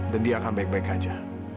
dan dia akan baik baik aja